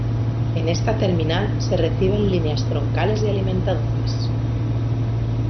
En esta terminal se reciben líneas troncales y alimentadoras.